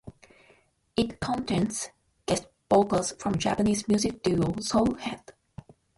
It contains guest vocals from Japanese music duo Soulhead.